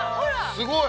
◆すごい！